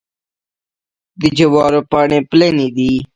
د جوارو پاڼې پلنې دي.